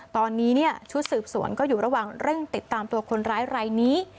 ตอนนี้ชุดสืบสวนก็อยู่ระหว่างเร่งติดตามตัวคนร้ายรายนี้